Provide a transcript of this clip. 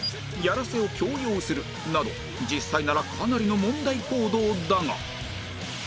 ヤラセを強要するなど実際ならかなりの問題行動だが